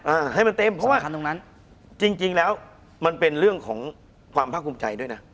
อ่าให้มันเต็มเพราะว่าจริงแล้วมันเป็นเรื่องของความพรรคคุมใจด้วยนะ